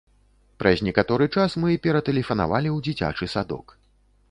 Праз некаторы час мы ператэлефанавалі ў дзіцячы садок.